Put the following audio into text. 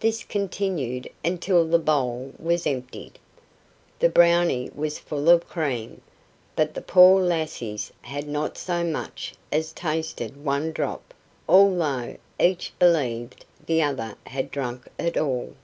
This continued until the bowl was emptied. The Brownie was full of cream, but the poor lassies had not so much as tasted one drop, although each believed the other had drunk it all.